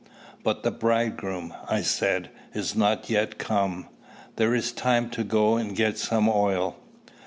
"But the Bridegroom," I said, "is not yet come. There is time to go and get some oil."